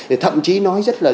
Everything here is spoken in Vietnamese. thì thậm chí nói rất là